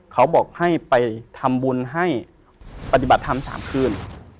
เขาบอกให้ไปทำบุญให้ปฏิบัติธรรม๓คืน